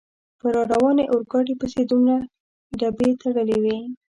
په را روانې اورګاډي پسې دومره ډبې تړلې وې.